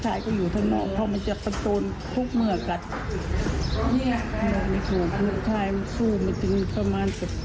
หรือว่าเสียเลือดมาก